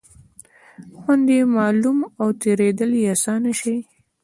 خوند یې معلوم او تېرېدل یې آسانه شي.